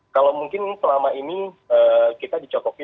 kalau mungkin selama ini kita dicokopi